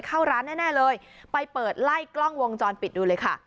เข้าร้านแน่เลยไปเปิดไล่กล้องวงจรปิดดูเลยค่ะ